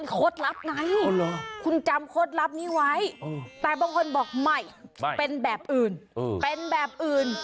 คดลับไงคุณจำคดลับนี้ไว้แต่บางคนบอกไม่เป็นแบบอื่น